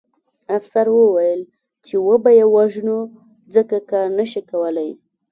افسر وویل چې وبه یې وژنو ځکه کار نه شي کولی